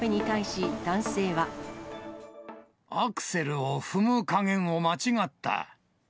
アクセルを踏む加減を間違っ